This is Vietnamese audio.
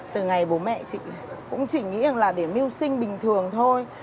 từ ngày bố mẹ chị cũng chỉ nghĩ rằng là để mưu sinh bình thường thôi